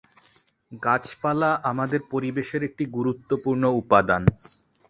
গাছপালা আমাদের পরিবেশের একটি গুরুত্বপূর্ণ উপাদান।